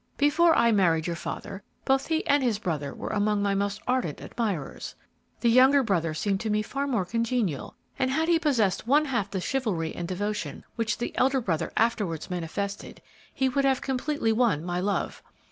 Before I married your father, both he and his brother were among my most ardent admirers. The younger brother seemed to me far more congenial, and had he possessed one half the chivalry and devotion which the elder brother afterwards manifested, he would have completely won my love.